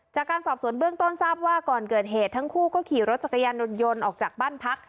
จากการสอบสวนเบื้องต้นทราบว่าก่อนเกิดเหตุทั้งคู่ก็ขี่รถจักรยานยนต์ออกจากบ้านพัก